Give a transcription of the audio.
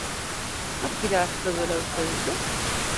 Nork irabaziko duela uste duzu?